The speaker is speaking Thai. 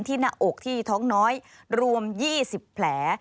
หน้าอกที่ท้องน้อยรวม๒๐แผล